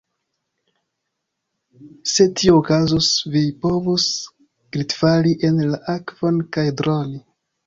Se tio okazus, vi povus glitfali en la akvon kaj droni.